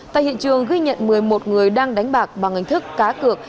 tại hiện trường ghi nhận một mươi một người đang đánh bạc bằng hình thức cá cược